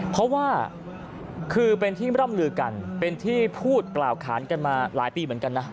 เพราะว่าคือเป็นที่ร่ำลือกันเป็นที่พูดกล่าวขานกันมาหลายปีเหมือนกันนะ